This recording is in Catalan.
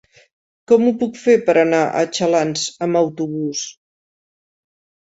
Com ho puc fer per anar a Xalans amb autobús?